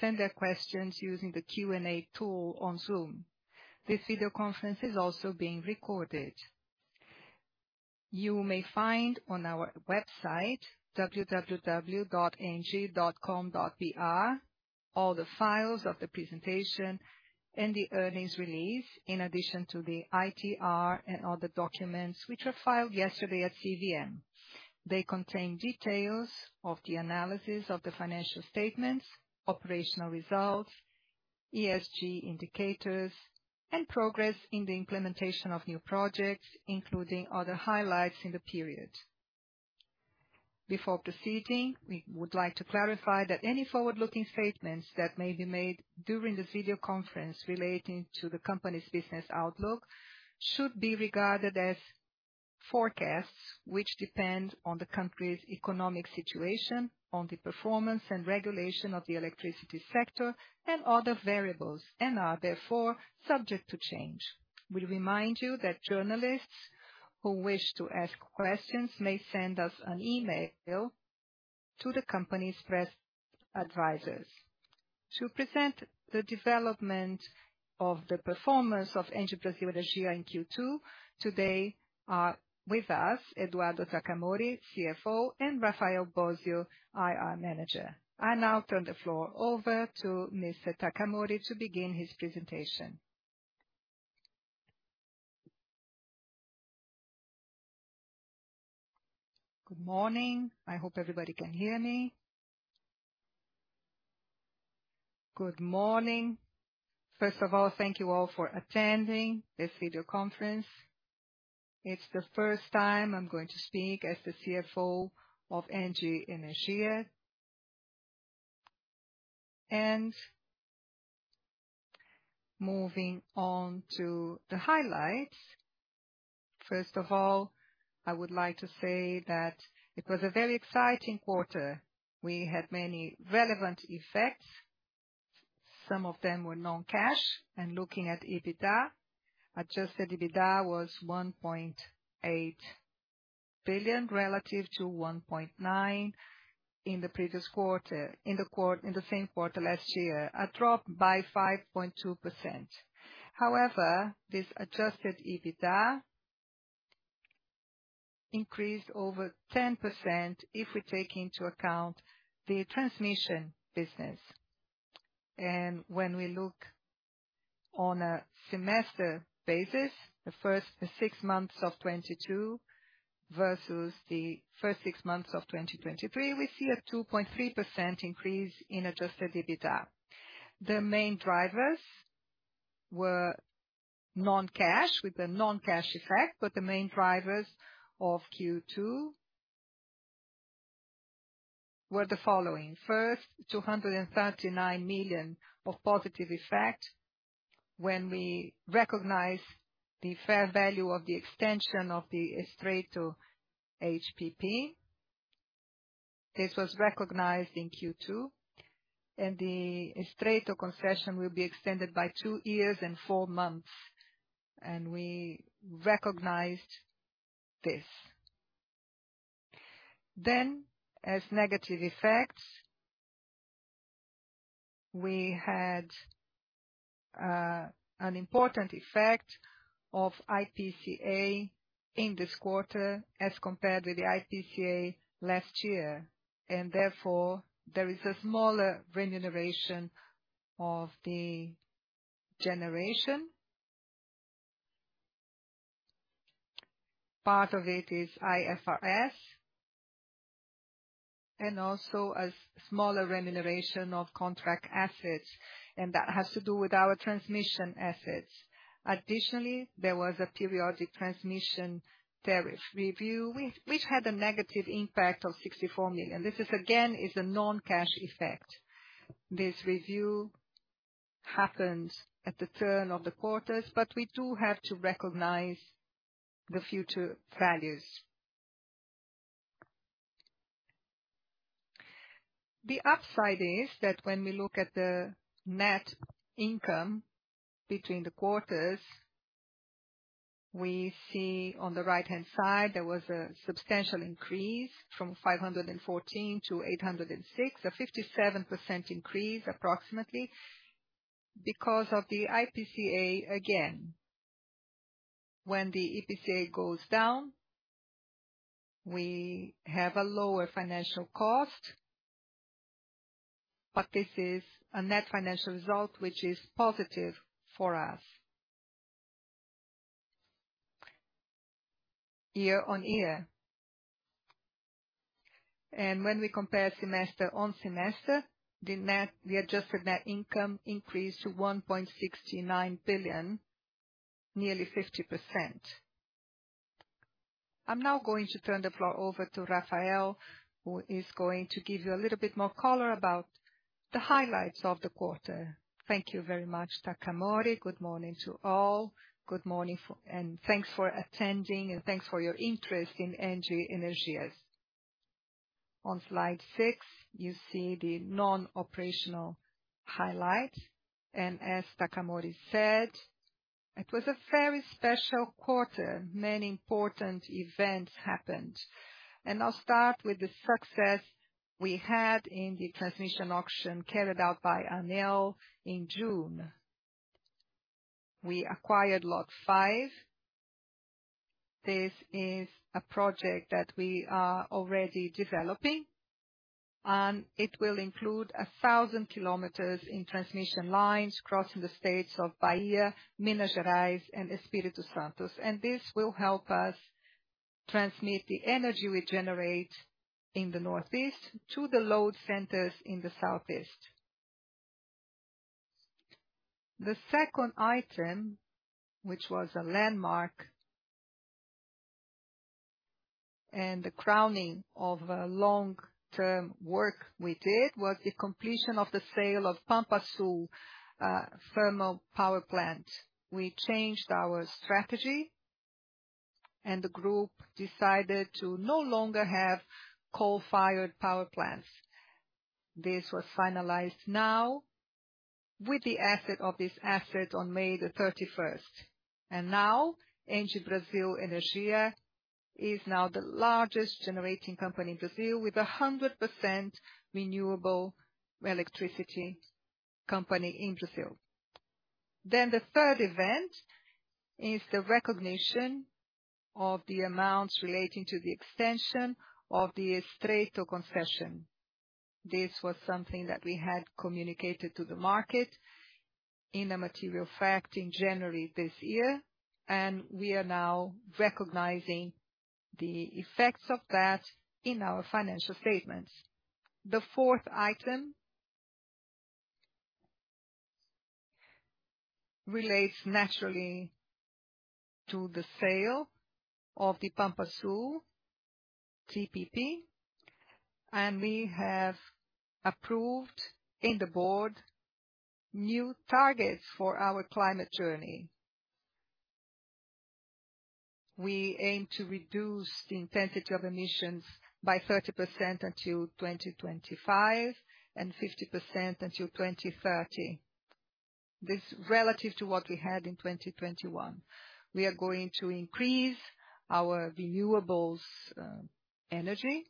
send their questions using the Q&A tool on Zoom. This video conference is also being recorded. You may find on our website, engie.com.br, all the files of the presentation and the earnings release, in addition to the ITR and other documents which were filed yesterday at CVM. They contain details of the analysis of the financial statements, operational results, ESG indicators, and progress in the implementation of new projects, including other highlights in the period. Before proceeding, we would like to clarify that any forward-looking statements that may be made during this video conference relating to the company's business outlook, should be regarded as forecasts, which depend on the country's economic situation, on the performance and regulation of the electricity sector, and other variables, and are therefore subject to change. We remind you that journalists who wish to ask questions may send us an email to the company's press advisors. To present the development of the performance of Engie Brasil Energia in Q2, today, are with us, Eduardo Takamori, CFO, and Rafael Bósio, IR Manager. I now turn the floor over to Mr. Takamori to begin his presentation. Good morning. I hope everybody can hear me. Good morning. First of all, thank you all for attending this video conference. It's the first time I'm going to speak as the CFO of Engie Energia. Moving on to the highlights. First of all, I would like to say that it was a very exciting quarter. We had many relevant effects, some of them were non-cash. Looking at EBITDA, Adjusted EBITDA was 1.8 billion, relative to 1.9 billion in the previous quarter, in the same quarter last year, a drop by 5.2%. This adjusted EBITDA increased over 10% if we take into account the transmission business. When we look on a semester basis, the first 6 months of 2022 versus the first 6 months of 2023, we see a 2.3% increase in Adjusted EBITDA. The main drivers were non-cash, with a non-cash effect, the main drivers of Q2 were the following: First, 239 million of positive effect when we recognize the fair value of the extension of the Estreito HPP. This was recognized in Q2, and the Estreito concession will be extended by two years and four months, and we recognized this. As negative effects, we had an important effect of IPCA in this quarter as compared to the IPCA last year, and therefore, there is a smaller remuneration of the generation. Part of it is IFRS, and also a smaller remuneration of contract assets, and that has to do with our transmission assets. Additionally, there was a periodic transmission tariff review, which had a negative impact of 64 million. This is, again, is a non-cash effect. This review happens at the turn of the quarters, but we do have to recognize the future values. The upside is that when we look at the net income between the quarters, we see on the right-hand side, there was a substantial increase from 514 to 806, a 57% increase approximately, because of the IPCA again. When the IPCA goes down, we have a lower financial cost, but this is a net financial result, which is positive for us. Year on year, when we compare semester on semester, the adjusted net income increased to 1.69 billion, nearly 50%. I'm now going to turn the floor over to Rafael, who is going to give you a little bit more color about the highlights of the quarter. Thank you very much, Takamori. Good morning to all. Good morning and thanks for attending, and thanks for your interest in Engie Brasil Energia. On slide 6, you see the non-operational highlights, as Takamori said. It was a very special quarter. Many important events happened, I'll start with the success we had in the transmission auction carried out by ANEEL in June. We acquired Lot 5. This is a project that we are already developing, it will include 1,000 kilometers in transmission lines crossing the states of Bahia, Minas Gerais, and Espírito Santo. This will help us transmit the energy we generate in the Northeast to the load centers in the Southeast. The second item, which was a landmark and the crowning of a long-term work we did, was the completion of the sale of Pampa Sul thermal power plant. We changed our strategy, and the group decided to no longer have coal-fired power plants. This was finalized now with the asset of this asset on May 31st, and now, Engie Brasil Energia is now the largest generating company in Brazil with a 100% renewable electricity company in Brazil. The third event is the recognition of the amounts relating to the extension of the Estreito concession. This was something that we had communicated to the market in a material fact in January this year, and we are now recognizing the effects of that in our financial statements. The fourth item relates naturally to the sale of the Pampa Sul TPP. We have approved in the Board new targets for our climate journey. We aim to reduce the intensity of emissions by 30% until 2025 and 50% until 2030. This relative to what we had in 2021. We are going to increase our renewables energy.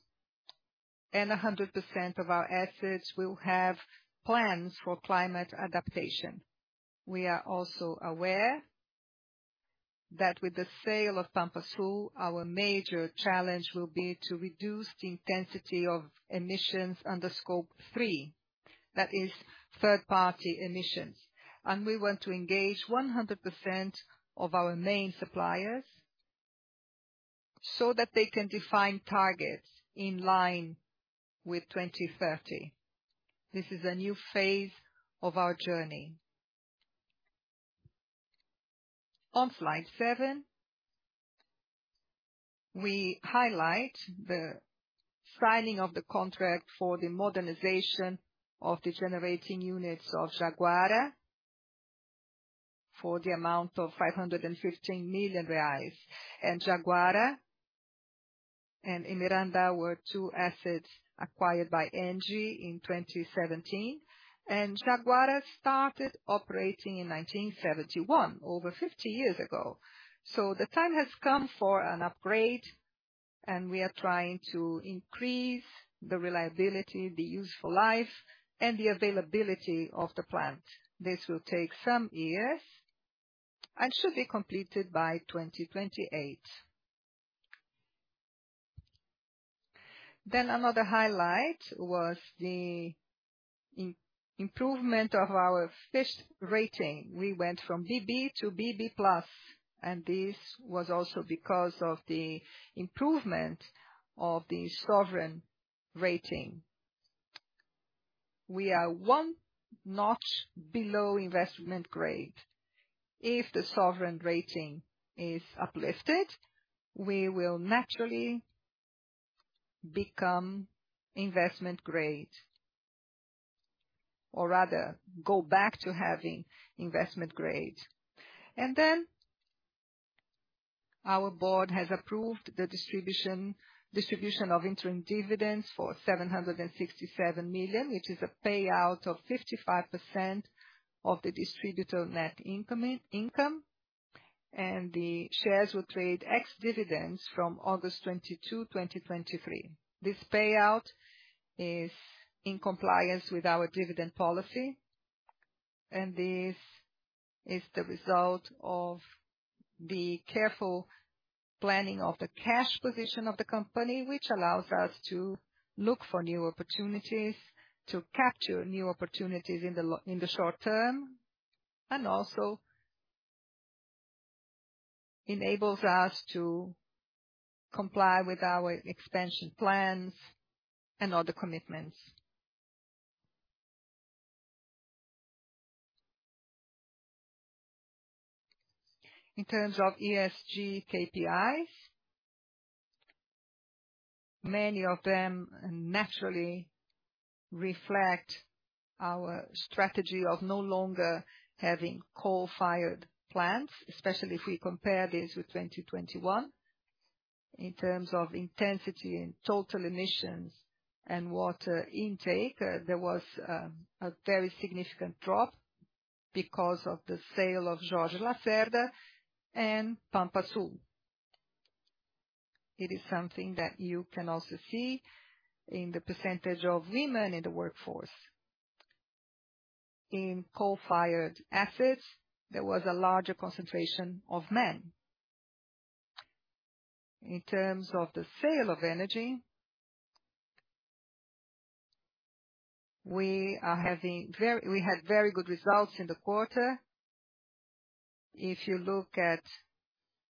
100% of our assets will have plans for climate adaptation. We are also aware that with the sale of Pampa Sul, our major challenge will be to reduce the intensity of emissions under Scope 3, that is third-party emissions. We want to engage 100% of our main suppliers so that they can define targets in line with 2030. This is a new phase of our journey. On slide 7, we highlight the signing of the contract for the modernization of the generating units of Jaguara for the amount of 515 million reais. Jaguara and Miranda were two assets acquired by ENGIE in 2017, and Jaguara started operating in 1971, over 50 years ago. The time has come for an upgrade, and we are trying to increase the reliability, the useful life, and the availability of the plant. This will take some years and should be completed by 2028. Another highlight was the improvement of our Fitch rating. We went from BB to BB+, and this was also because of the improvement of the sovereign rating. We are 1 notch below investment grade. If the sovereign rating is uplifted, we will naturally become investment grade, or rather go back to having investment grade. Our board has approved the distribution, distribution of interim dividends for 767 million, which is a payout of 55% of the distributor net income in, income, and the shares will trade ex-dividends from August 22, 2023. This payout is in compliance with our dividend policy, and this is the result of the careful planning of the cash position of the company, which allows us to look for new opportunities, to capture new opportunities in the short term, and also enables us to comply with our expansion plans and other commitments. In terms of ESG KPIs, many of them naturally reflect our strategy of no longer having coal-fired plants, especially if we compare this with 2021. in terms of intensity and total emissions and water intake, there was a very significant drop because of the sale of Jorge Lacerda and Pampa Sul. It is something that you can also see in the percentage of women in the workforce. In coal-fired assets, there was a larger concentration of men. In terms of the sale of energy, we had very good results in the quarter. If you look at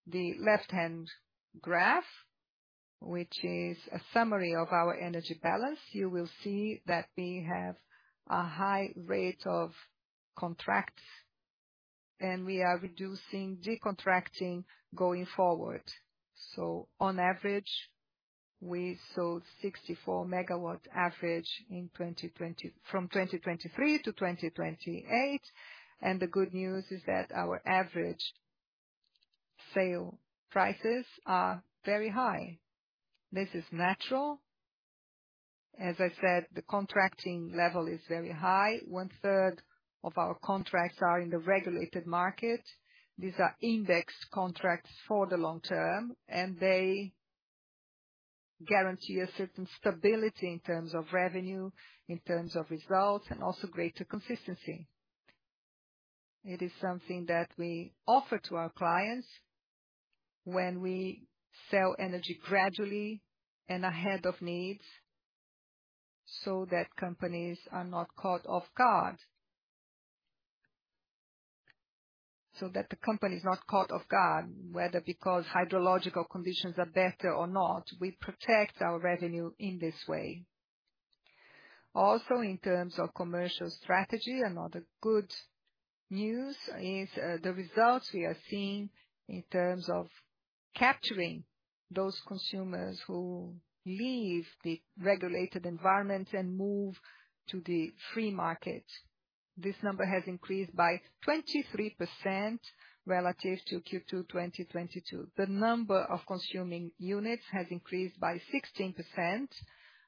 the left-hand graph, which is a summary of our energy balance, you will see that we have a high rate of contracts and we are reducing decontracting going forward. On average, we sold 64 megawatt average from 2023 to 2028, and the good news is that our average sale prices are very high. This is natural. As I said, the contracting level is very high. One-third of our contracts are in the regulated market. These are indexed contracts for the long term, they guarantee a certain stability in terms of revenue, in terms of results, and also greater consistency. It is something that we offer to our clients when we sell energy gradually and ahead of needs, so that companies are not caught off guard. That the company is not caught off guard, whether because hydrological conditions are better or not, we protect our revenue in this way. Also, in terms of commercial strategy, another good news is the results we are seeing in terms of capturing those consumers who leave the regulated environment and move to the free market. This number has increased by 23% relative to Q2, 2022. The number of consuming units has increased by 16%,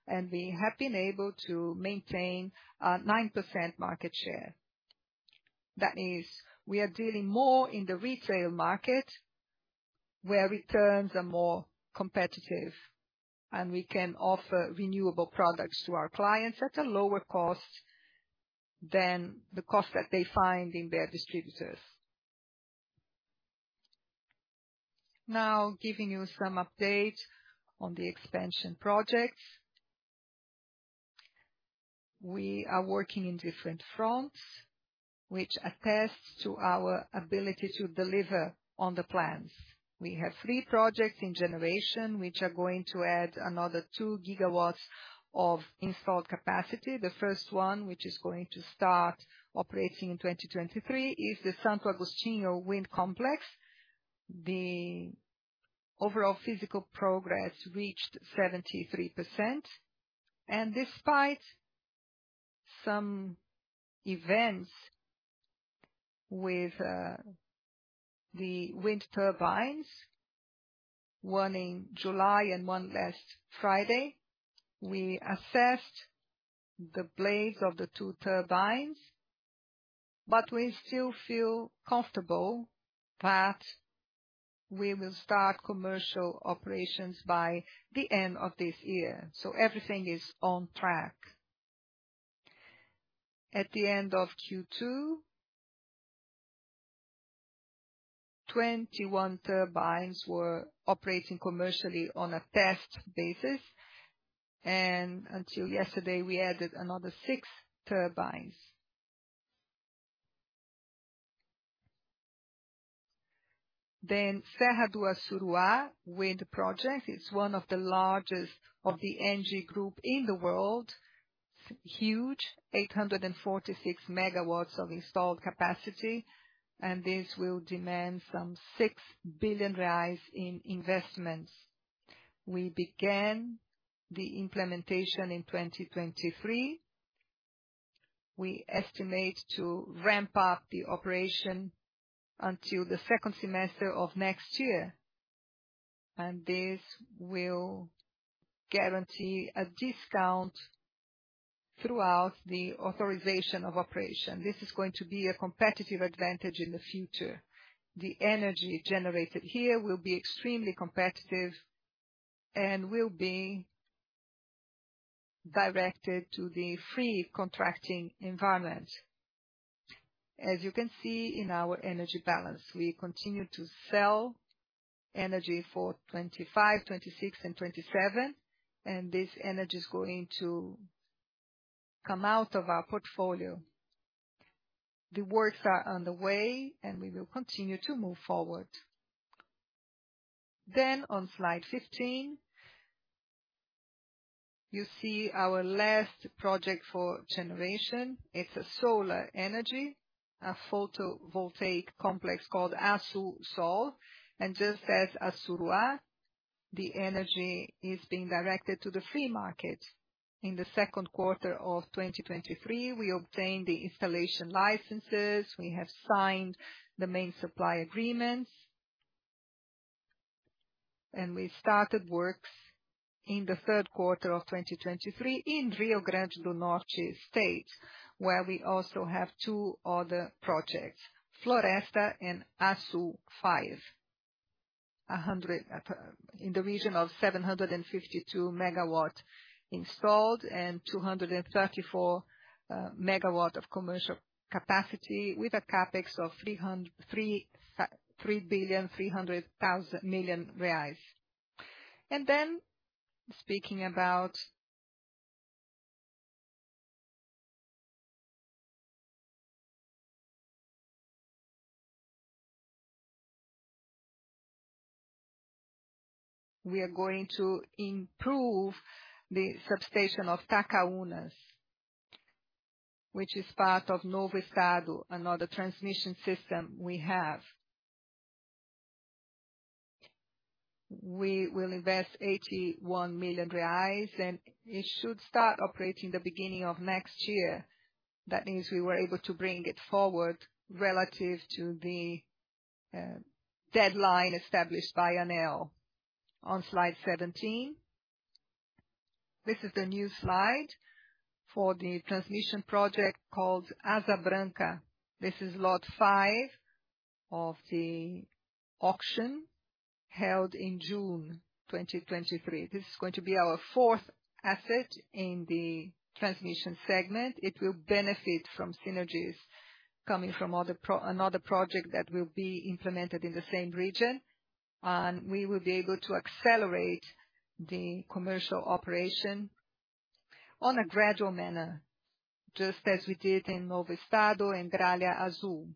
and we have been able to maintain a 9% market share. That is, we are dealing more in the retail market, where returns are more competitive, and we can offer renewable products to our clients at a lower cost than the cost that they find in their distributors. Giving you some updates on the expansion projects. We are working in different fronts, which attests to our ability to deliver on the plans. We have 3 projects in generation, which are going to add another 2 gigawatts of installed capacity. The first one, which is going to start operating in 2023, is the Santo Agostinho wind complex. The overall physical progress reached 73%. Despite some events with the wind turbines, one in July and one last Friday, we assessed the blades of the two turbines. We still feel comfortable that we will start commercial operations by the end of this year. Everything is on track. At the end of Q2, 21 turbines were operating commercially on a test basis. Until yesterday, we added another 6 turbines. Serra do Assuruá wind project is one of the largest of the ENGIE Group in the world. It's huge, 846 MW of installed capacity. This will demand some 6 billion reais in investments. We began the implementation in 2023. We estimate to ramp up the operation until the second semester of next year. This will guarantee a discount throughout the authorization of operation. This is going to be a competitive advantage in the future. The energy generated here will be extremely competitive and will be directed to the free contracting environment. As you can see in our energy balance, we continue to sell energy for 25, 26 and 27, and this energy is going to come out of our portfolio. The works are underway, and we will continue to move forward. On slide 15, you see our last project for generation. It's a solar energy, a photovoltaic complex called Assú Sol, and just as Assuruá, the energy is being directed to the free market. In the 2Q 2023, we obtained the installation licenses, we have signed the main supply agreements, and we started works in the 3Q 2023 in Rio Grande do Norte, where we also have two other projects, Floresta and Açu V. In the region of 752 MW installed and 234 MW of commercial capacity with a CapEx of BRL 3.3 billion. Speaking about, we are going to improve the substation of Itacaiúnas, which is part of Novo Estado, another transmission system we have. We will invest 81 million reais. It should start operating the beginning of next year. That means we were able to bring it forward relative to the deadline established by ANEEL. On slide 17, this is the new slide for the transmission project called Asa Branca. This is Lot 5 of the auction held in June 2023. This is going to be our fourth asset in the transmission segment. It will benefit from synergies coming from another project that will be implemented in the same region, and we will be able to accelerate the commercial operation on a gradual manner, just as we did in Novo Estado and Gralha Azul.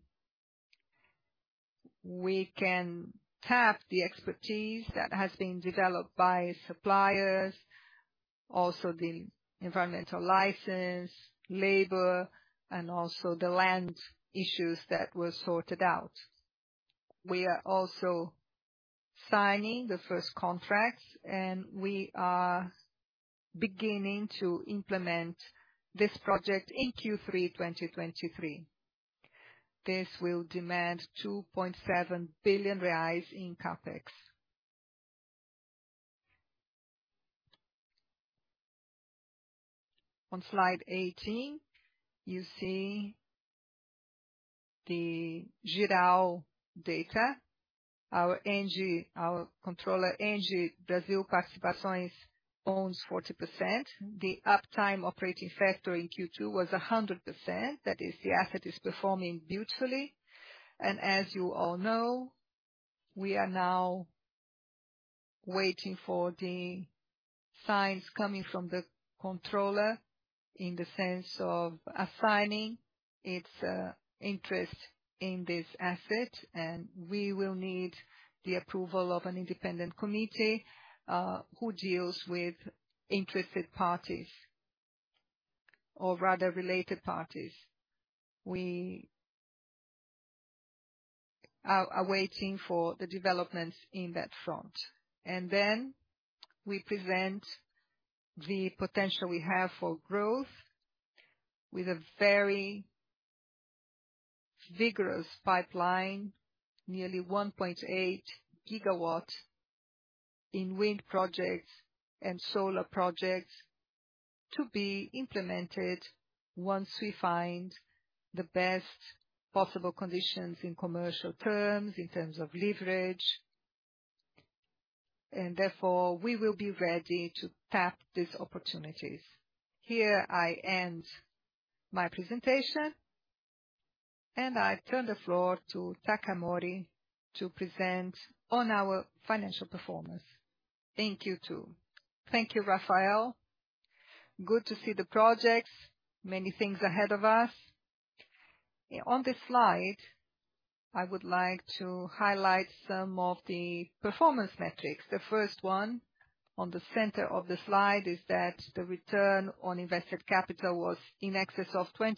We can tap the expertise that has been developed by suppliers, also the environmental license, labor, and also the land issues that were sorted out. We are also signing the first contracts, and we are beginning to implement this project in Q3, 2023. This will demand 2.7 billion reais in CapEx. On slide 18, you see the Jirau data. Our ENGIE, our controller, ENGIE Brasil Participações, owns 40%. The uptime operating factor in Q2 was 100%. That is, the asset is performing beautifully, and as you all know, we are now waiting for the signs coming from the controller in the sense of assigning its interest in this asset, and we will need the approval of an independent committee who deals with interested parties, or rather, related parties. We are waiting for the developments in that front. We present the potential we have for growth with a very vigorous pipeline, nearly 1.8 gigawatt in wind projects and solar projects to be implemented once we find the best possible conditions in commercial terms, in terms of leverage. We will be ready to tap these opportunities. Here, I end my presentation, and I turn the floor to Takamori to present on our financial performance. Thank you, too. Thank you, Rafael. Good to see the projects. Many things ahead of us. On this slide, I would like to highlight some of the performance metrics. The first one, on the center of the slide, is that the return on invested capital was in excess of 20%,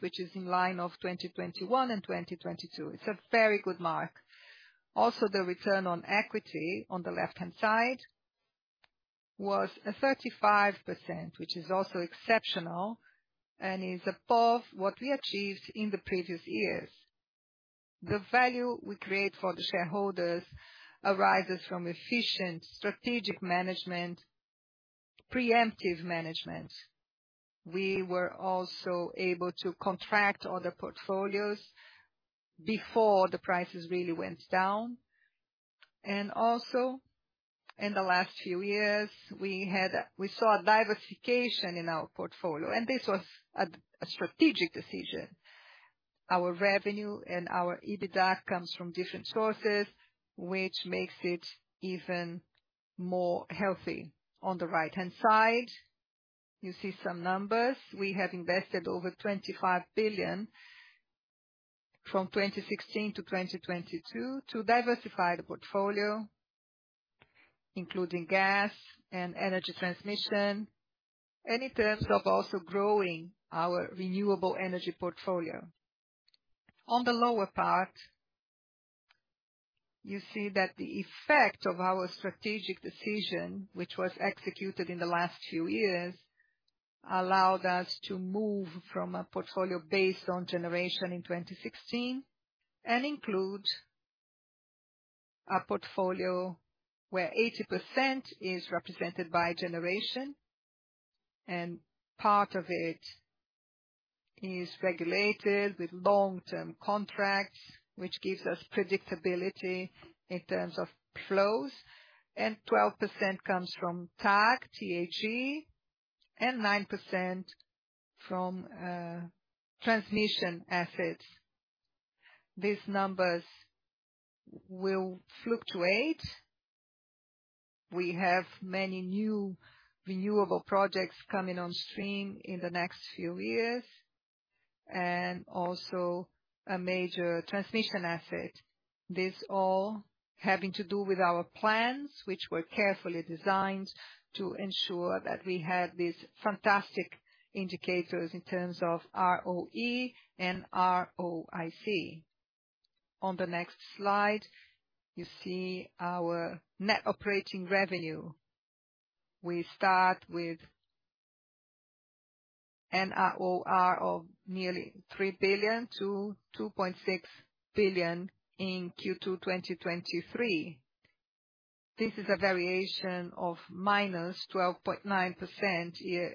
which is in line of 2021 and 2022. It's a very good mark. Also, the return on equity on the left-hand side was a 35%, which is also exceptional and is above what we achieved in the previous years. The value we create for the shareholders arises from efficient strategic management, preemptive management. We were also able to contract other portfolios before the prices really went down. Also, in the last few years, we saw a diversification in our portfolio, and this was a strategic decision. Our revenue and our EBITDA comes from different sources, which makes it even more healthy. On the right-hand side, you see some numbers. We have invested over 25 billion from 2016 to 2022 to diversify the portfolio, including gas and energy transmission, and in terms of also growing our renewable energy portfolio. You see that the effect of our strategic decision, which was executed in the last few years, allowed us to move from a portfolio based on generation in 2016, and include a portfolio where 80% is represented by generation, and part of it is regulated with long-term contracts, which gives us predictability in terms of flows, and 12% comes from TAG, TAG, and 9% from transmission assets. These numbers will fluctuate. We have many new renewable projects coming on stream in the next few years, and also a major transmission asset. This all having to do with our plans, which were carefully designed to ensure that we had these fantastic indicators in terms of ROE and ROIC. On the next slide, you see our net operating revenue. We start with an OR of nearly 3 billion to 2.6 billion in Q2 2023. This is a variation of -12.9%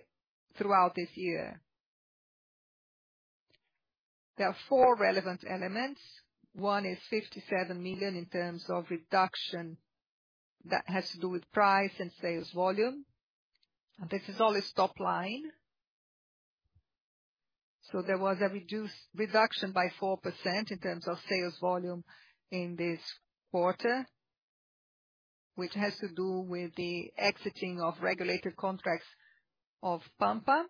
throughout this year. There are four relevant elements. One is 57 million in terms of reduction. That has to do with price and sales volume. This is all a top line. There was a reduction by 4% in terms of sales volume in this quarter, which has to do with the exiting of regulated contracts of Pampa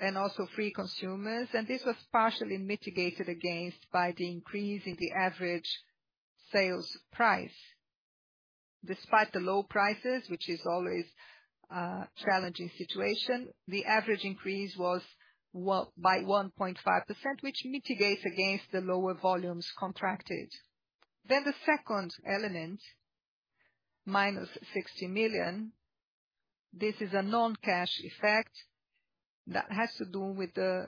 and also free consumers. This was partially mitigated against by the increase in the average sales price. Despite the low prices, which is always a challenging situation, the average increase was by 1.5%, which mitigates against the lower volumes contracted. The second element, minus 60 million. This is a non-cash effect that has to do with the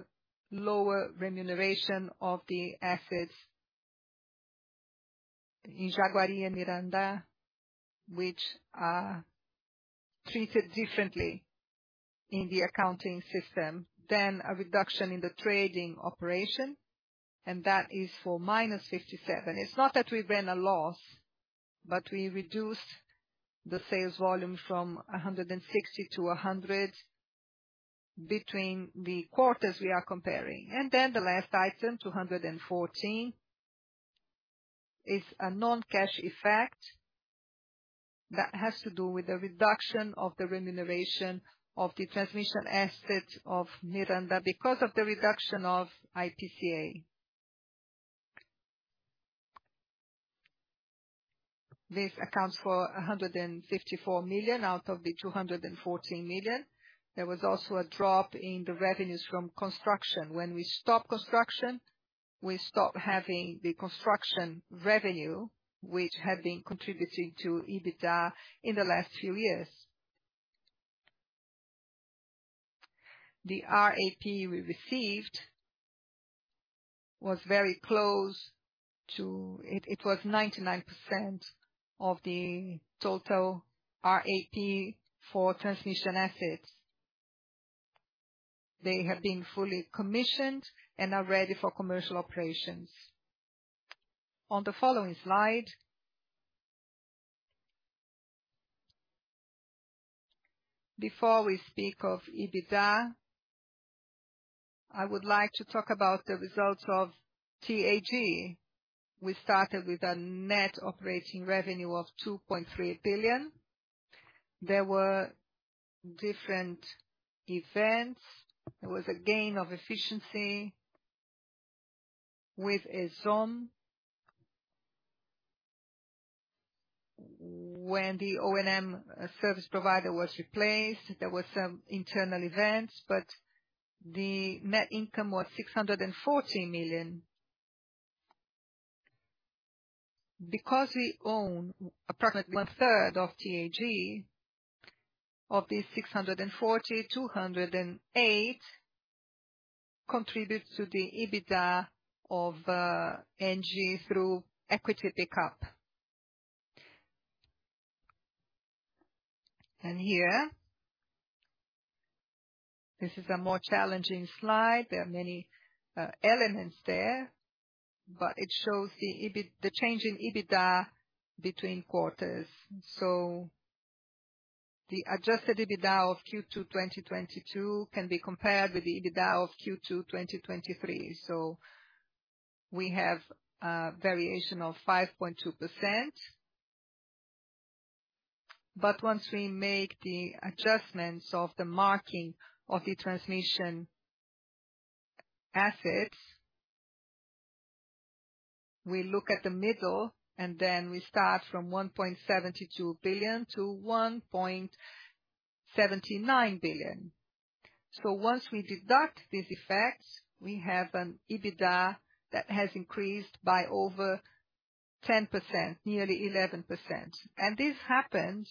lower remuneration of the assets in Jaguari and Miranda, which are treated differently in the accounting system than a reduction in the trading operation, and that is for minus 57. It's not that we've been a loss, but we reduced the sales volume from 160 to 100 between the quarters we are comparing. The last item, 214, is a non-cash effect that has to do with the reduction of the remuneration of the transmission assets of Miranda because of the reduction of IPCA. This accounts for 154 million out of the 214 million. There was also a drop in the revenues from construction. When we stop construction, we stop having the construction revenue, which had been contributing to EBITDA in the last few years. The RAP we received was very close to. It was 99% of the total RAP for transmission assets. They have been fully commissioned and are ready for commercial operations. On the following slide. Before we speak of EBITDA, I would like to talk about the results of TAG. We started with a net operating revenue of 2.3 billion. There were different events. There was a gain of efficiency with Omexom. When the O&M service provider was replaced, there were some internal events, but the net income was 640 million. Because we own approximately one third of TAG, of the 640, 208 contributes to the EBITDA of Engie through equity pickup. Here, this is a more challenging slide. There are many elements there, but it shows the change in EBITDA between quarters. The adjusted EBITDA of Q2, 2022 can be compared with the EBITDA of Q2, 2023. We have a variation of 5.2%. Once we make the adjustments of the marking of the transmission assets, we look at the middle, and then we start from 1.72 billion to 1.79 billion. Once we deduct these effects, we have an EBITDA that has increased by over 10%, nearly 11%. This happened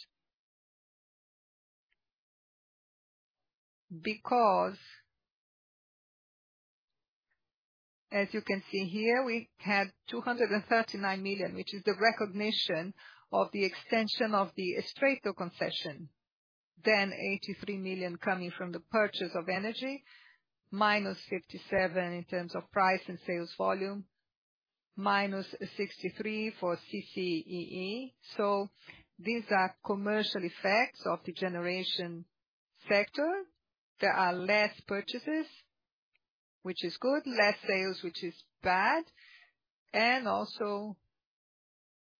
because, as you can see here, we had 239 million, which is the recognition of the extension of the Estreito concession. 83 million coming from the purchase of energy, minus 57 million in terms of price and sales volume, minus 63 million for CCEE. These are commercial effects of the generation sector. There are less purchases, which is good, less sales, which is bad, and also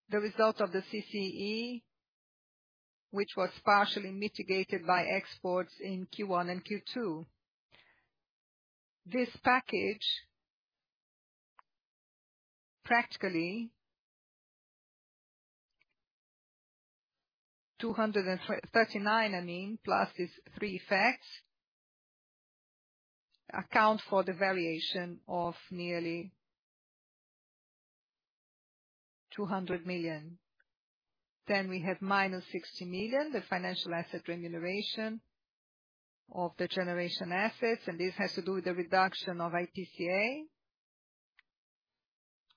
the result of the CCEE, which was partially mitigated by exports in Q1 and Q2. This package, practically, 239 million, I mean, plus these three effects, account for the variation of nearly 200 million. We have minus 60 million, the financial asset remuneration of the generation assets, and this has to do with the reduction of IPCA.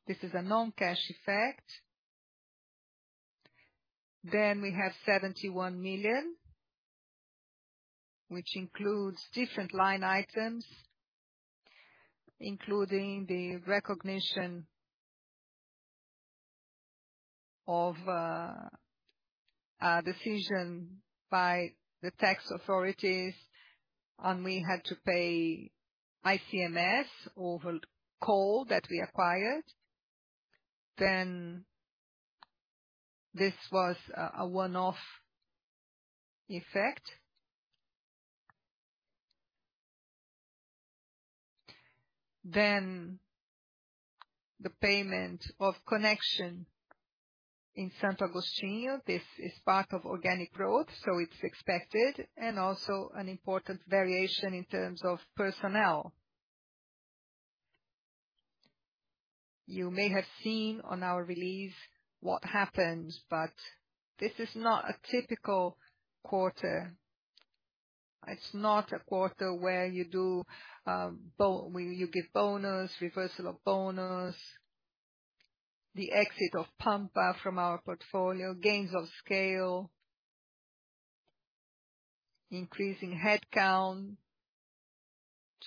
This is a non-cash effect. We have 71 million, which includes different line items, including the recognition of a decision by the tax authorities, and we had to pay ICMS over coal that we acquired. This was a one-off effect. The payment of connection in Santo Agostinho. This is part of organic growth, so it's expected, and also an important variation in terms of personnel. You may have seen on our release what happened, but this is not a typical quarter. It's not a quarter where you do where you give bonus, reversal of bonus, the exit of Pampa from our portfolio, gains of scale, increasing headcount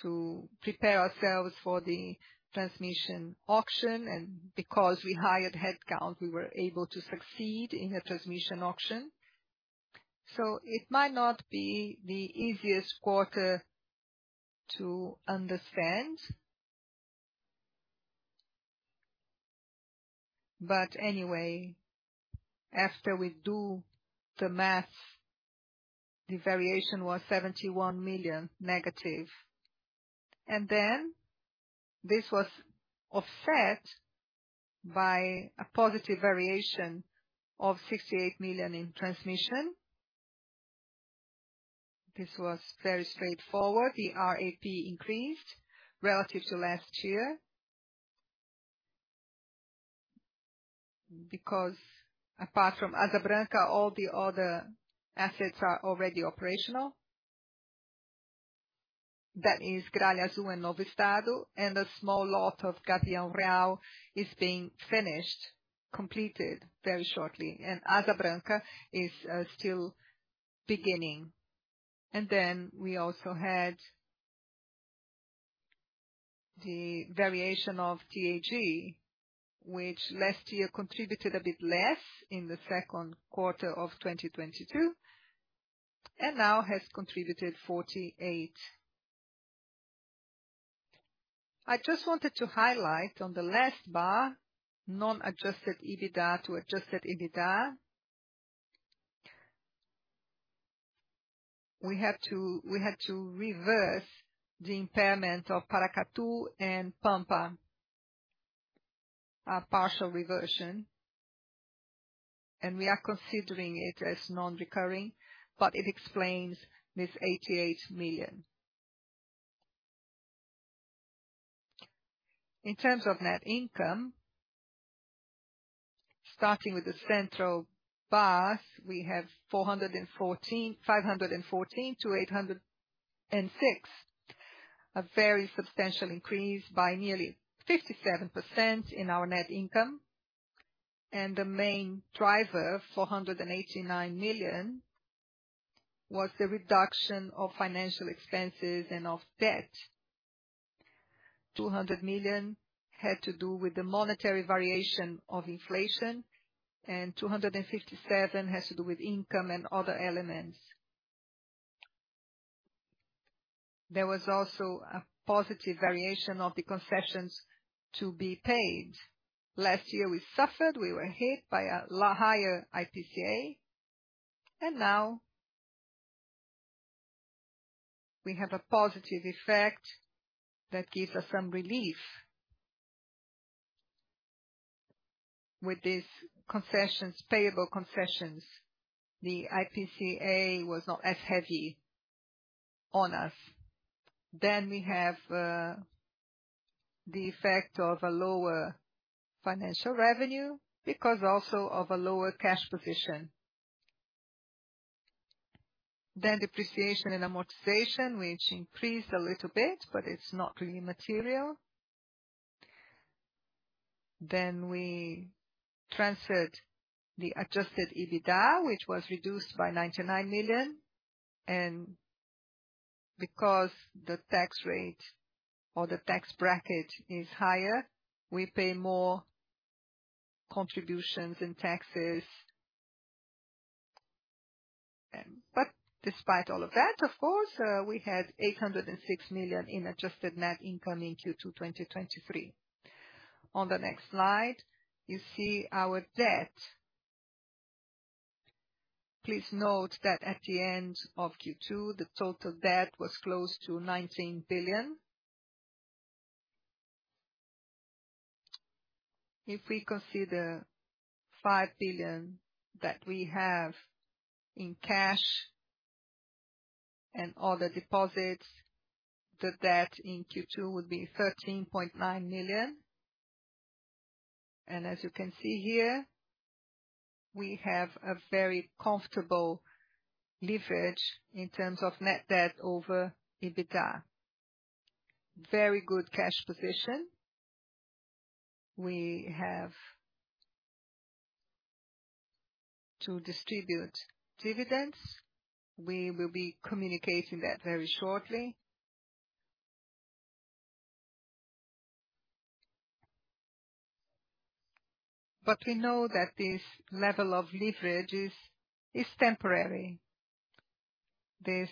to prepare ourselves for the transmission auction, and because we hired headcount, we were able to succeed in the transmission auction. It might not be the easiest quarter to understand. Anyway, after we do the math, the variation was 71 million negative, this was offset by a positive variation of 68 million in transmission. This was very straightforward. The RAP increased relative to last year. Apart from Asa Branca, all the other assets are already operational. That is Gralha Azul and Novo Estado, and a small lot of Gavião Real is being finished, completed very shortly, and Asa Branca is still beginning. We also had the variation of TAG, which last year contributed a bit less in the Q2 of 2022, and now has contributed 48 million. I just wanted to highlight on the last bar, non-adjusted EBITDA to adjusted EBITDA. We had to reverse the impairment of Paracatu and Pampa, a partial reversion, and we are considering it as non-recurring, but it explains this 88 million. In terms of net income, starting with the central bar, we have 514 to 806. A very substantial increase by nearly 57% in our net income, the main driver, 489 million, was the reduction of financial expenses and of debt. 200 million had to do with the monetary variation of inflation, 257 has to do with income and other elements. There was also a positive variation of the concessions to be paid. Last year, we suffered, we were hit by a higher IPCA, now we have a positive effect that gives us some relief. With these concessions, payable concessions, the IPCA was not as heavy on us. We have the effect of a lower financial revenue because also of a lower cash position. Depreciation and amortization, which increased a little bit, but it's not really material. We transferred the adjusted EBITDA, which was reduced by 99 million. Because the tax rate or the tax bracket is higher, we pay more contributions and taxes. Despite all of that, of course, we had 806 million in adjusted net income in Q2 2023. On the next slide, you see our debt. Please note that at the end of Q2, the total debt was close to 19 billion. If we consider 5 billion that we have in cash and other deposits, the debt in Q2 would be 13.9 million. As you can see here, we have a very comfortable leverage in terms of net debt over EBITDA. Very good cash position. We have to distribute dividends. We will be communicating that very shortly. We know that this level of leverage is, is temporary. This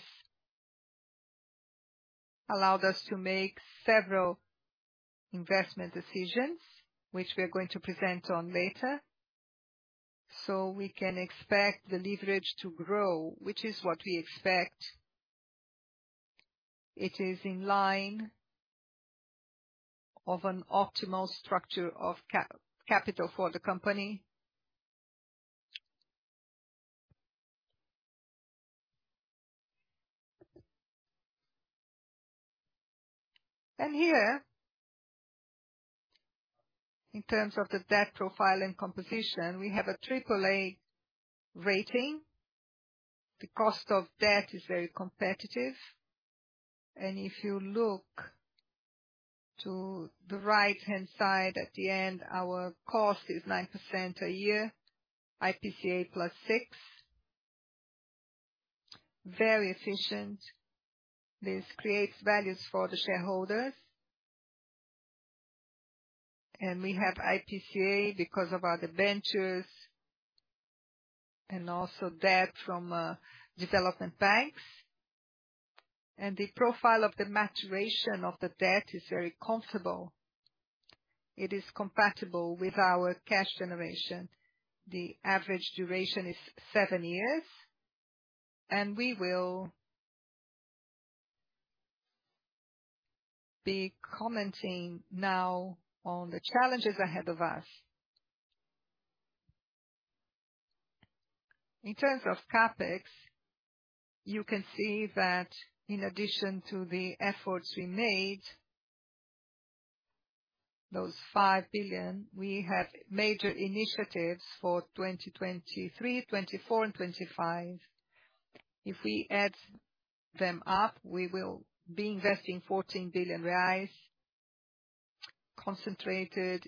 allowed us to make several investment decisions, which we are going to present on later. We can expect the leverage to grow, which is what we expect. It is in line of an optimal structure of capital for the company. Here, in terms of the debt profile and composition, we have a triple-A rating. The cost of debt is very competitive, and if you look to the right-hand side, at the end, our cost is 9% a year, IPCA plus 6. Very efficient. This creates values for the shareholders. We have IPCA because of our debentures, and also debt from development banks. The profile of the maturation of the debt is very comfortable. It is compatible with our cash generation. The average duration is seven years, and we will be commenting now on the challenges ahead of us. In terms of CapEx, you can see that in addition to the efforts we made, those 5 billion, we have major initiatives for 2023, 2024 and 2025. If we add them up, we will be investing 14 billion reais, concentrated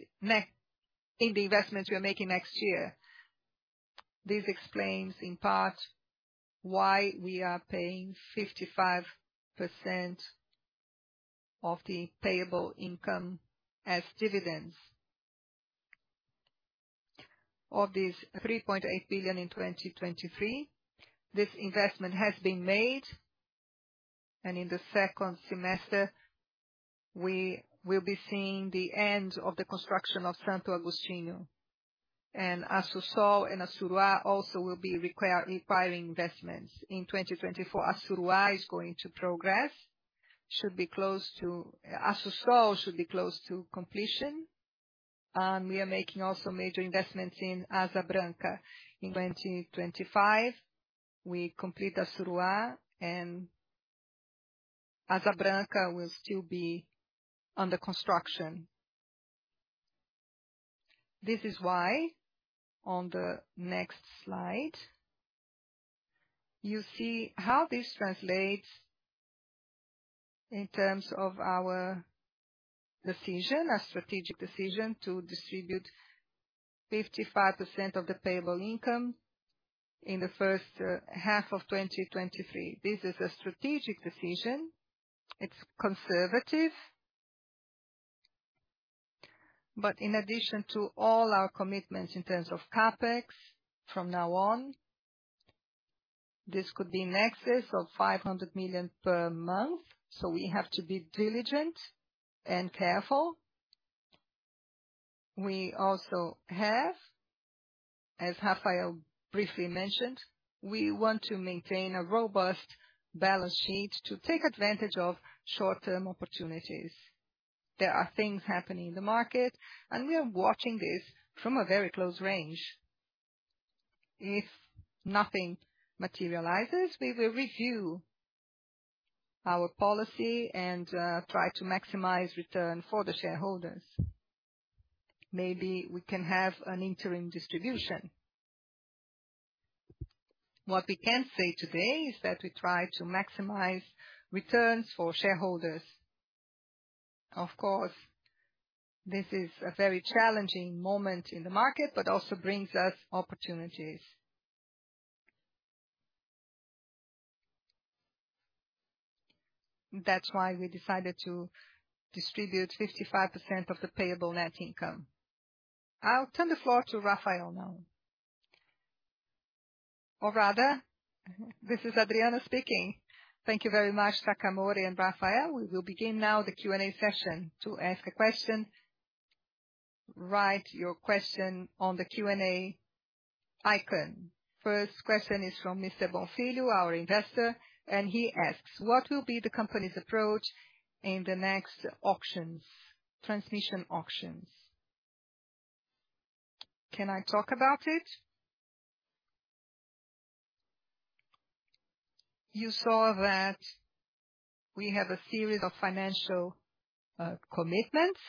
in the investments we are making next year. This explains, in part, why we are paying 55% of the payable income as dividends. Of these 3.8 billion in 2023, this investment has been made, and in the second semester, we will be seeing the end of the construction of Santo Agostinho. Assú Sol and Assuruá also will be requiring investments. In 2024, Assuruá is going to progress, should be close to... Assú Sol should be close to completion, we are making also major investments in Asa Branca. In 2025, we complete Assuruá, Asa Branca will still be under construction. This is why, on the next slide, you see how this translates in terms of our decision, our strategic decision, to distribute 55% of the payable income in the first half of 2023. This is a strategic decision. It's conservative. In addition to all our commitments in terms of CapEx from now on, this could be in excess of 500 million per month, we have to be diligent and careful. We also, as Rafael briefly mentioned, we want to maintain a robust balance sheet to take advantage of short-term opportunities. There are things happening in the market, we are watching this from a very close range. If nothing materializes, we will review our policy and try to maximize return for the shareholders. Maybe we can have an interim distribution. What we can say today is that we try to maximize returns for shareholders. Of course, this is a very challenging moment in the market, but also brings us opportunities. That's why we decided to distribute 55% of the payable net income. I'll turn the floor to Rafael now. Rather, this is Adriana speaking. Thank you very much, Takamori and Rafael. We will begin now the Q&A session. To ask a question, write your question on the Q&A icon. First question is from Mr. Bonfilio, our investor, he asks: "What will be the company's approach in the next auctions, transmission auctions?" Can I talk about it? You saw that we have a series of financial commitments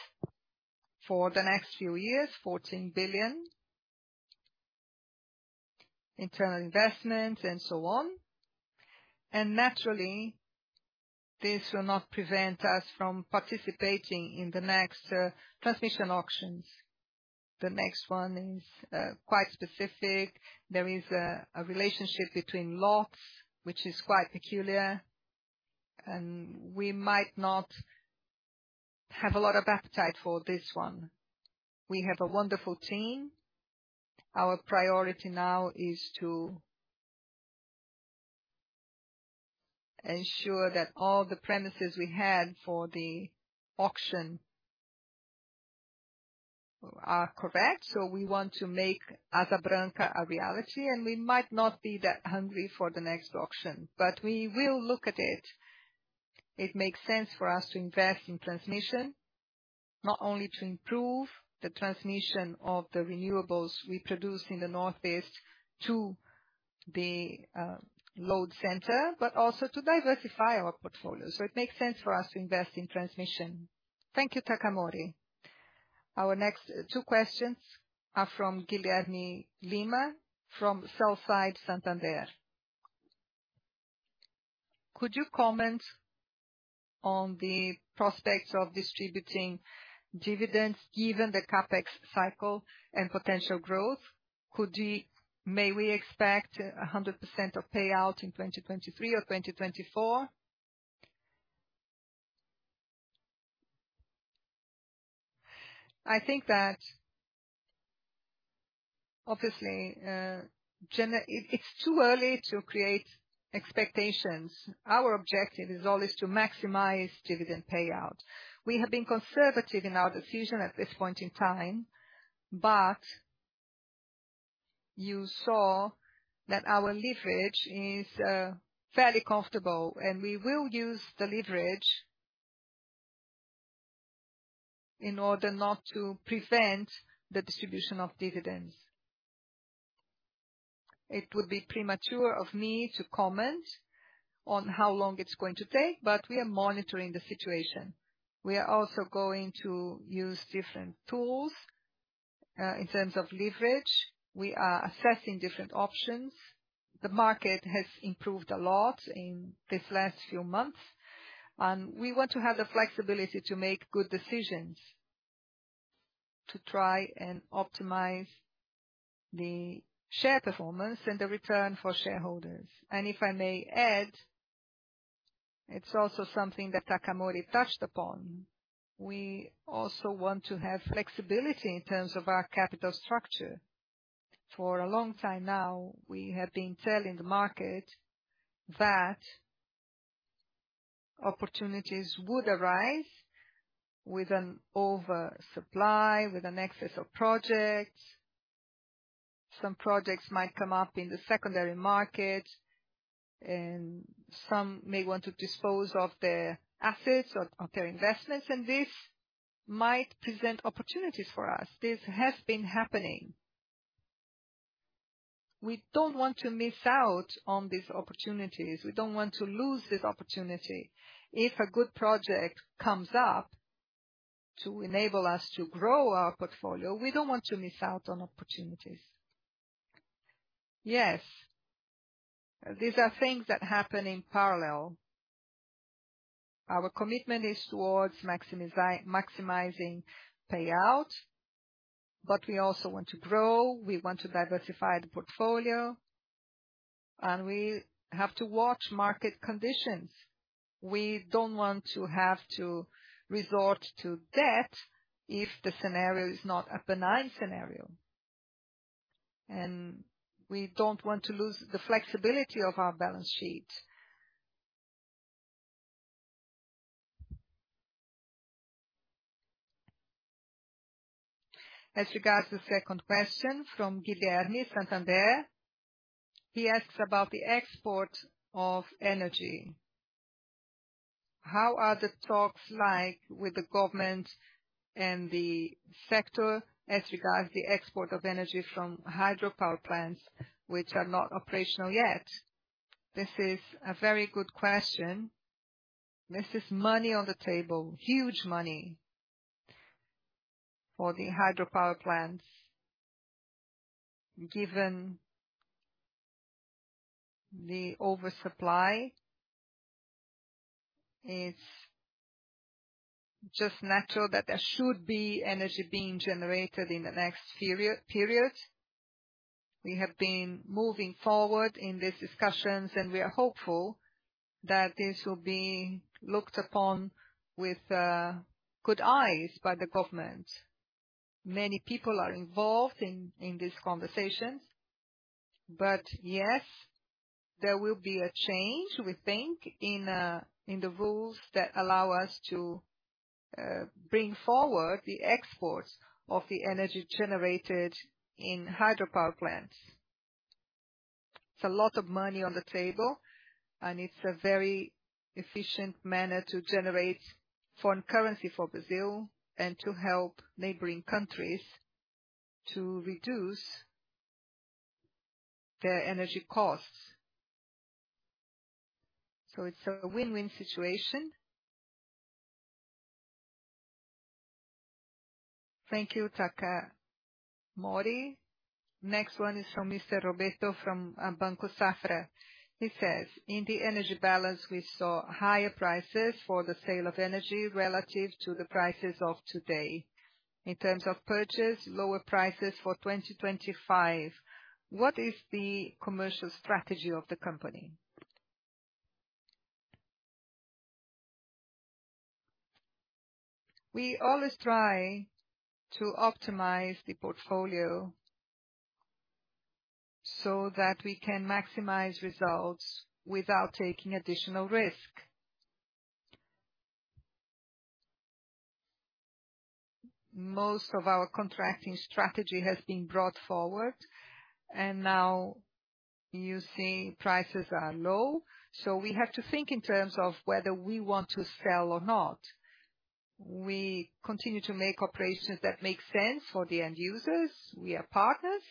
for the next few years, 14 billion, internal investments and so on. Naturally, this will not prevent us from participating in the next transmission auctions. The next one is quite specific. There is a relationship between lots, which is quite peculiar, and we might not have a lot of appetite for this one. We have a wonderful team. Our priority now is to ensure that all the premises we had for the auction are correct, so we want to make Asa Branca a reality, and we might not be that hungry for the next auction, but we will look at it. It makes sense for us to invest in transmission, not only to improve the transmission of the renewables we produce in the northeast to the load center, but also to diversify our portfolio. It makes sense for us to invest in transmission. Thank you, Takamori. Our next two questions are from Guilherme Lima, from Sell-side Santander. "Could you comment on the prospects of distributing dividends, given the CapEx cycle and potential growth? May we expect a 100% of payout in 2023 or 2024?" I think that, obviously, it's too early to create expectations. Our objective is always to maximize dividend payout. We have been conservative in our decision at this point in time, but you saw that our leverage is fairly comfortable, and we will use the leverage in order not to prevent the distribution of dividends. It would be premature of me to comment on how long it's going to take, but we are monitoring the situation. We are also going to use different tools in terms of leverage. We are assessing different options. The market has improved a lot in this last few months, and we want to have the flexibility to make good decisions, to try and optimize the share performance and the return for shareholders. If I may add, it's also something that Takamori touched upon. We also want to have flexibility in terms of our capital structure. For a long time now, we have been telling the market that opportunities would arise with an oversupply, with an excess of projects. Some projects might come up in the secondary market, and some may want to dispose of their assets or of their investments, and this might present opportunities for us. This has been happening. We don't want to miss out on these opportunities. We don't want to lose this opportunity. If a good project comes up to enable us to grow our portfolio, we don't want to miss out on opportunities. Yes, these are things that happen in parallel. Our commitment is towards maximizing payout, but we also want to grow, we want to diversify the portfolio, and we have to watch market conditions. We don't want to have to resort to debt if the scenario is not a benign scenario. We don't want to lose the flexibility of our balance sheet. As regards the second question from Guiverne, Santander, he asks about the export of energy. How are the talks like with the government and the sector as regards the export of energy from hydropower plants, which are not operational yet? This is a very good question. This is money on the table, huge money for the hydropower plants. Given the oversupply, it's just natural that there should be energy being generated in the next period, period. We have been moving forward in these discussions, we are hopeful that this will be looked upon with good eyes by the government. Many people are involved in, in these conversations, yes, there will be a change, we think, in the rules that allow us to bring forward the exports of the energy generated in hydropower plants. It's a lot of money on the table, it's a very efficient manner to generate foreign currency for Brazil and to help neighboring countries to reduce their energy costs. It's a win-win situation. Thank you, Takamori. Next one is from Mr. Roberto from Banco Safra. He says: "In the energy balance, we saw higher prices for the sale of energy relative to the prices of today. In terms of purchase, lower prices for 2025. What is the commercial strategy of the company? We always try to optimize the portfolio so that we can maximize results without taking additional risk. Most of our contracting strategy has been brought forward, and now you see prices are low, so we have to think in terms of whether we want to sell or not. We continue to make operations that make sense for the end users. We are partners,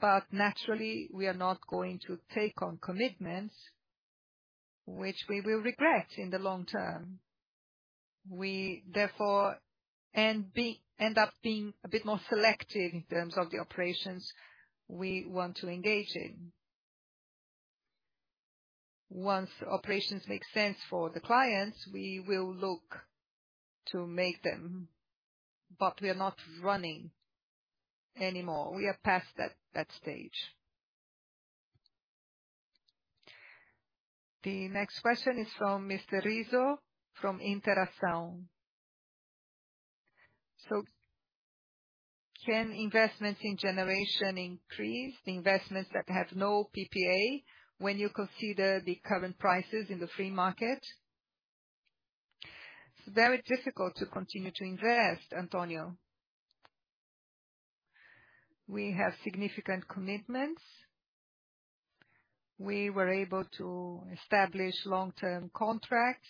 but naturally, we are not going to take on commitments which we will regret in the long term. We therefore, and end up being a bit more selective in terms of the operations we want to engage in. Once operations make sense for the clients, we will look to make them, but we are not running anymore. We are past that, that stage. The next question is from Mr. Rizzo, from Interação: Can investments in generation increase, investments that have no PPA, when you consider the current prices in the free market? It's very difficult to continue to invest, Antonio. We have significant commitments. We were able to establish long-term contracts.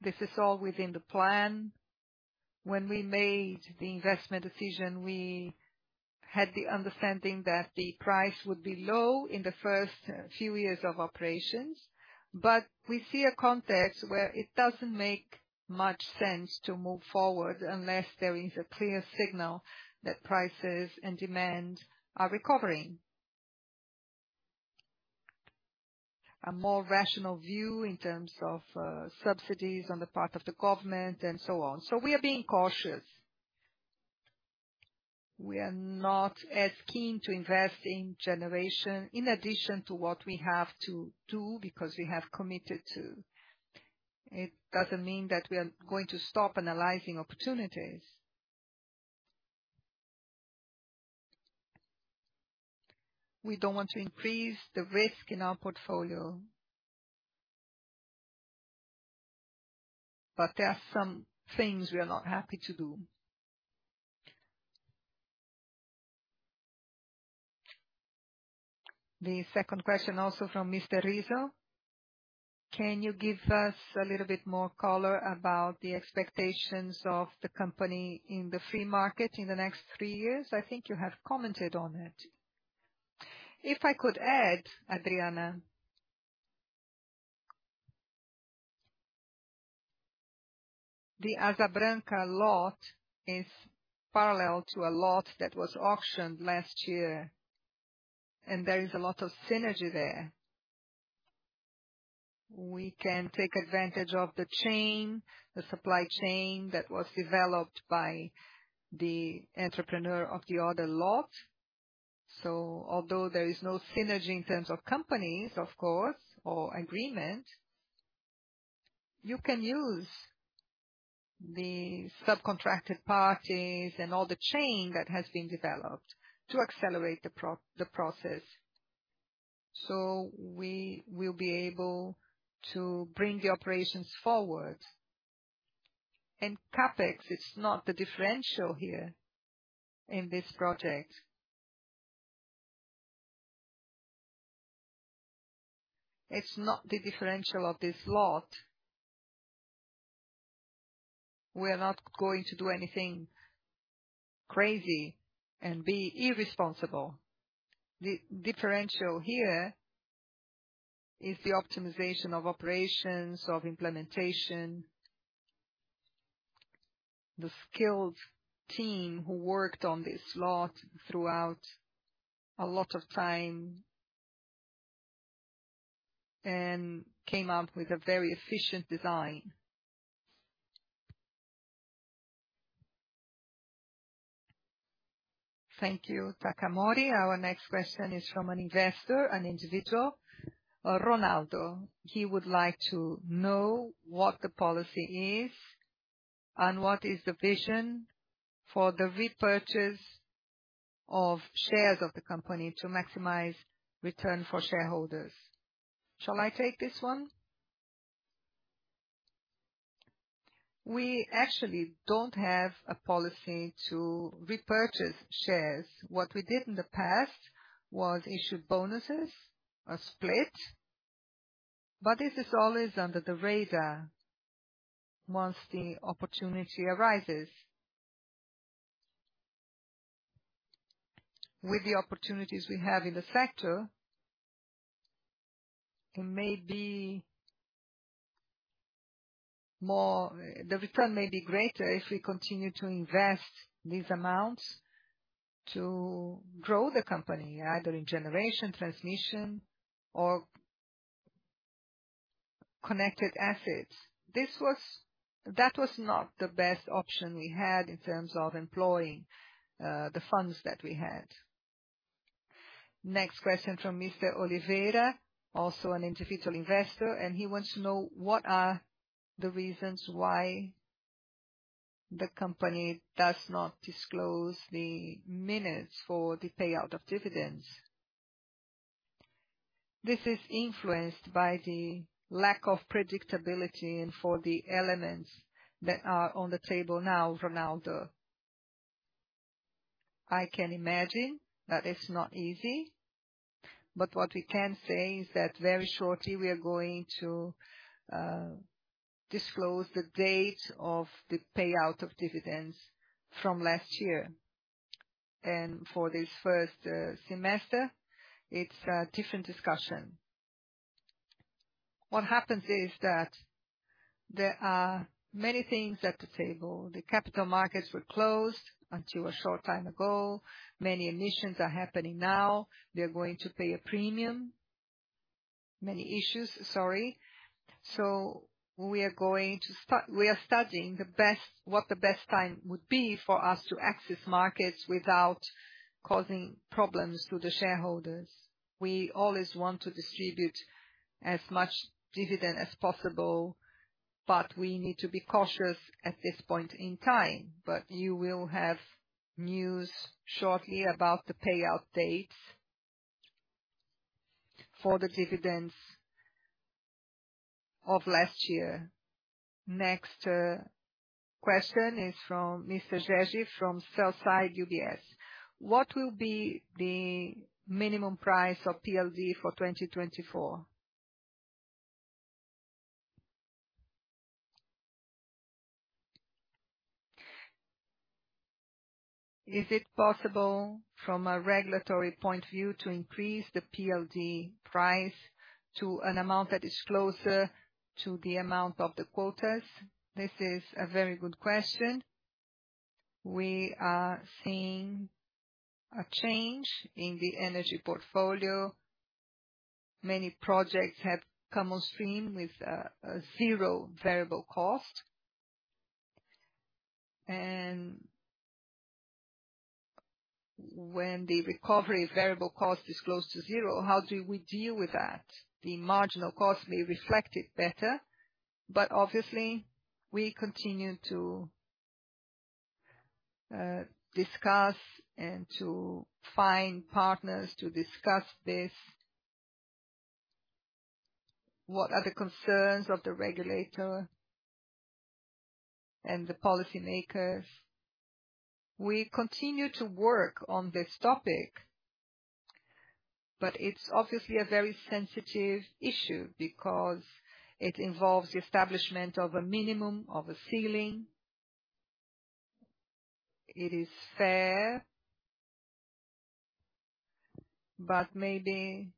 This is all within the plan. When we made the investment decision, we had the understanding that the price would be low in the first few years of operations. We see a context where it doesn't make much sense to move forward unless there is a clear signal that prices and demand are recovering. A more rational view in terms of subsidies on the part of the government and so on. We are being cautious. We are not as keen to invest in generation in addition to what we have to do because we have committed to. It doesn't mean that we are going to stop analyzing opportunities. We don't want to increase the risk in our portfolio, but there are some things we are not happy to do. The second question, also from Mr. Rizzo: Can you give us a little bit more color about the expectations of the company in the free market in the next three years? I think you have commented on it. If I could add, Adriana, the Asa Branca lot is parallel to a lot that was auctioned last year, and there is a lot of synergy there. We can take advantage of the chain, the supply chain that was developed by the entrepreneur of the other lot. Although there is no synergy in terms of companies, of course, or agreement, you can use the subcontracted parties and all the chain that has been developed to accelerate the process. We will be able to bring the operations forward. CapEx, it's not the differential here in this project. It's not the differential of this lot. We're not going to do anything crazy and be irresponsible. The differential here is the optimization of operations, of implementation, the skilled team who worked on this lot throughout a lot of time and came out with a very efficient design. Thank you, Takamori. Our next question is from an investor, an individual, Ronaldo. He would like to know what the policy is and what is the vision for the repurchase of shares of the company to maximize return for shareholders. Shall I take this one? We actually don't have a policy to repurchase shares. What we did in the past was issue bonuses or split. This is always under the radar once the opportunity arises. With the opportunities we have in the sector, the return may be greater if we continue to invest these amounts to grow the company, either in generation, transmission, or connected assets. That was not the best option we had in terms of employing the funds that we had. Next question from Mr. Oliveira, also an individual investor. He wants to know: what are the reasons why the company does not disclose the minutes for the payout of dividends? This is influenced by the lack of predictability and for the elements that are on the table now, Ronaldo. I can imagine that it's not easy, but what we can say is that very shortly, we are going to disclose the date of the payout of dividends from last year. For this first semester, it's a different discussion. What happens is that there are many things at the table. The capital markets were closed until a short time ago. Many emissions are happening now. We are going to pay a premium. Many issues, sorry. We are going to we are studying the best, what the best time would be for us to access markets without causing problems to the shareholders. We always want to distribute as much dividend as possible, but we need to be cautious at this point in time. You will have news shortly about the payout dates for the dividends of last year. Next question is from Mr. What will be the minimum price of PLD for 2024? Is it possible, from a regulatory point of view, to increase the PLD price to an amount that is closer to the amount of the quotas? This is a very good question. We are seeing a change in the energy portfolio. Many projects have come on stream with a 0 variable cost. When the recovery variable cost is close to 0, how do we deal with that? The marginal cost may reflect it better, but obviously, we continue to discuss and to find partners to discuss this. What are the concerns of the regulator and the policymakers? We continue to work on this topic, but it's obviously a very sensitive issue because it involves the establishment of a minimum, of a ceiling. It is fair, but maybe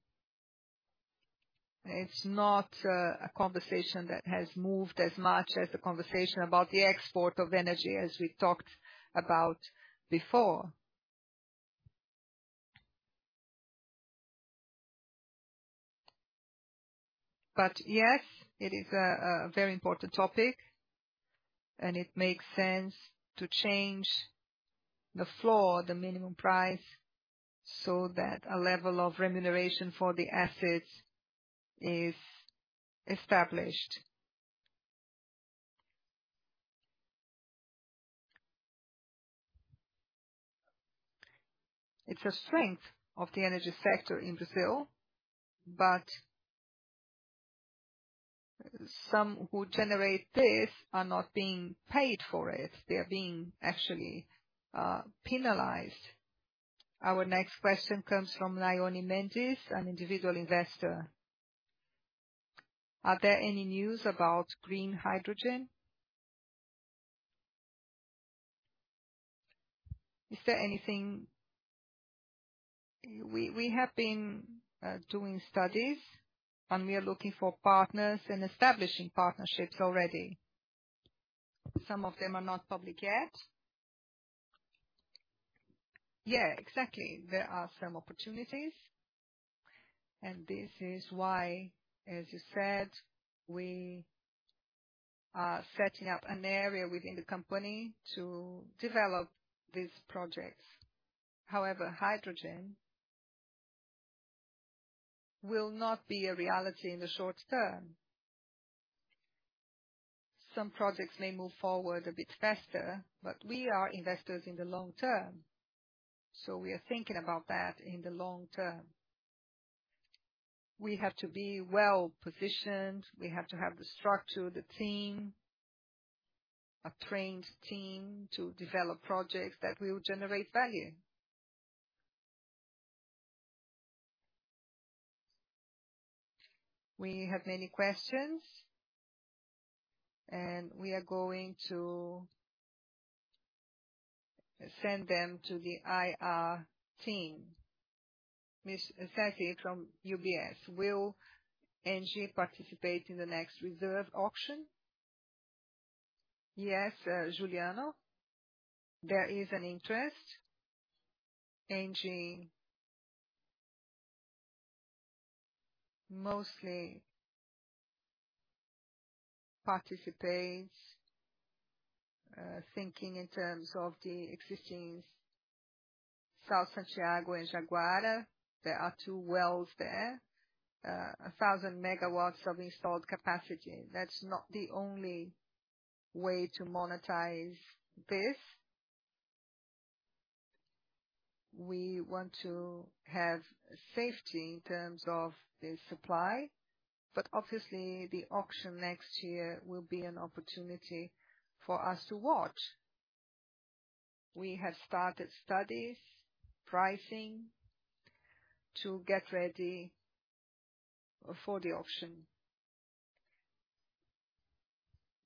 it's not, a conversation that has moved as much as the conversation about the export of energy, as we talked about before. Yes, it is a, a very important topic, and it makes sense to change the floor, the minimum price, so that a level of remuneration for the assets is established. It's a strength of the energy sector in Brazil, but some who generate this are not being paid for it. They are being actually penalized. Our next question comes from Leone Mendes, an individual investor: Are there any news about green hydrogen? Is there anything-- We, we have been doing studies, and we are looking for partners and establishing partnerships already. Some of them are not public yet. Yeah, exactly. There are some opportunities. This is why, as you said, we are setting up an area within the company to develop these projects. However, hydrogen will not be a reality in the short term. Some projects may move forward a bit faster, but we are investors in the long term, so we are thinking about that in the long term. We have to be well-positioned. We have to have the structure, the team, a trained team, to develop projects that will generate value. We have many questions, and we are going to send them to the IR team. Ms. Ceci, from UBS: Will ENGIE participate in the next reserve auction? Yes, Juliano, there is an interest. ENGIE mostly participates, thinking in terms of the existing Santo Agostinho and Jaguari. There are two wells there, 1,000 MW of installed capacity. That's not the only way to monetize this. We want to have safety in terms of the supply, but obviously, the auction next year will be an opportunity for us to watch. We have started studies, pricing, to get ready for the auction.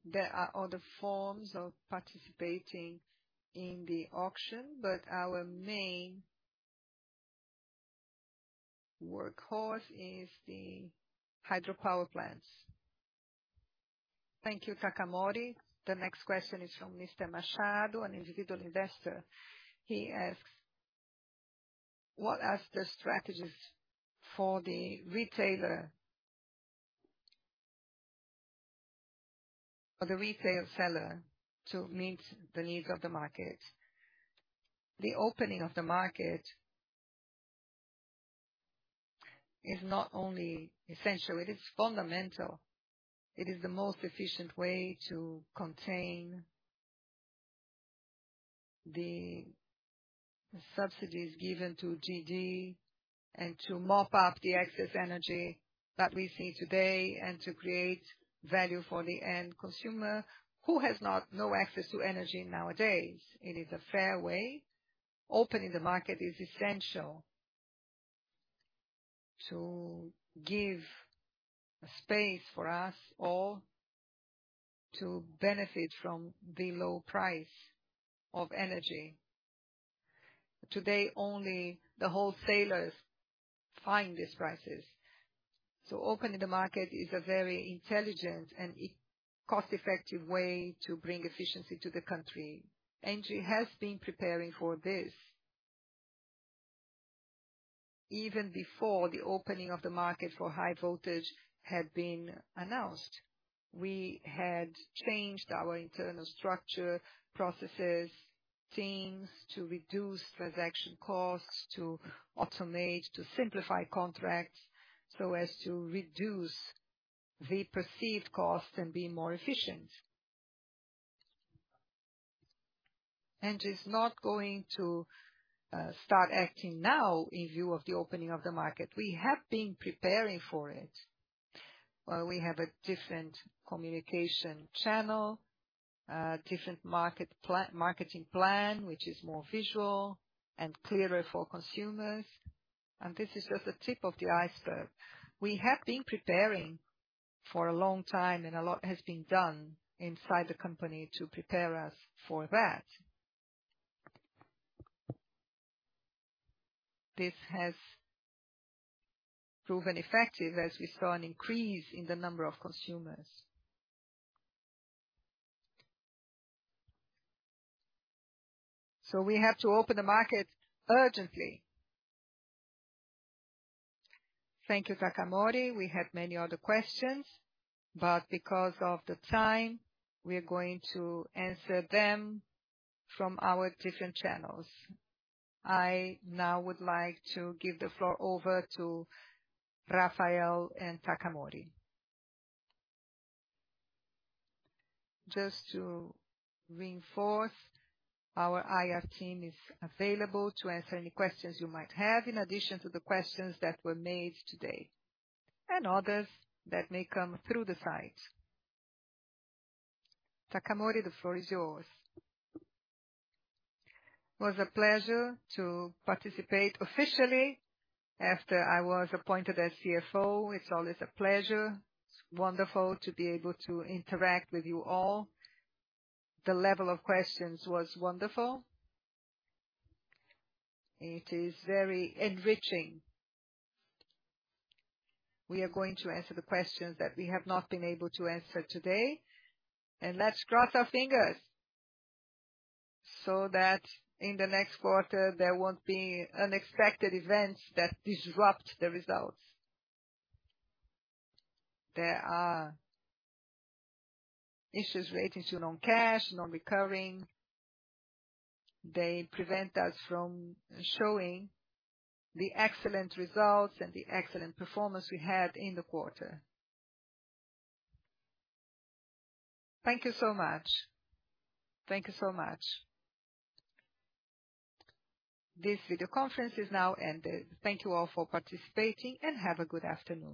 There are other forms of participating in the auction, but our main workhorse is the hydropower plants. Thank you, Takamori. The next question is from Mr. Machado, an individual investor. He asks: what are the strategies for the retail seller to meet the needs of the market? The opening of the market is not only essential, it is fundamental. It is the most efficient way to contain the subsidies given to GD, and to mop up the excess energy that we see today, and to create value for the end consumer, who has not no access to energy nowadays. It is a fair way. Opening the market is essential to give space for us all to benefit from the low price of energy. Today, only the wholesalers find these prices. Opening the market is a very intelligent and cost-effective way to bring efficiency to the country. Engie has been preparing for this even before the opening of the market for high voltage had been announced. We had changed our internal structure, processes, teams, to reduce transaction costs, to automate, to simplify contracts, so as to reduce the perceived costs and be more efficient. Engie is not going to start acting now in view of the opening of the market. We have been preparing for it. We have a different communication channel, a different marketing plan, which is more visual and clearer for consumers, and this is just the tip of the iceberg. We have been preparing for a long time, and a lot has been done inside the company to prepare us for that. This has proven effective, as we saw an increase in the number of consumers. We have to open the market urgently. Thank you, Takamori. We had many other questions, but because of the time, we are going to answer them from our different channels. I now would like to give the floor over to Rafael and Takamori. Just to reinforce, our IR team is available to answer any questions you might have, in addition to the questions that were made today, and others that may come through the site. Takamori, the floor is yours. It was a pleasure to participate officially after I was appointed as CFO. It's always a pleasure. It's wonderful to be able to interact with you all. The level of questions was wonderful. It is very enriching. We are going to answer the questions that we have not been able to answer today. Let's cross our fingers so that in the next quarter, there won't be unexpected events that disrupt the results. There are issues relating to non-cash, non-recurring. They prevent us from showing the excellent results and the excellent performance we had in the quarter. Thank you so much. Thank you so much. This video conference is now ended. Thank you all for participating, and have a good afternoon.